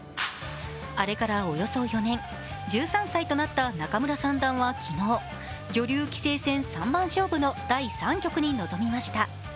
あれからおよそ４年、１３歳となった仲邑三段は昨日、女流棋聖戦三番勝負の第３局に臨みました。